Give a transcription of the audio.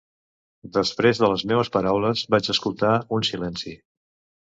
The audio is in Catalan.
Després de les meues paraules, vaig escoltar un silenci.